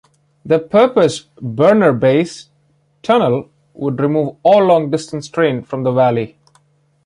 The proposed Brenner Base Tunnel would remove all long-distance trains from the valley.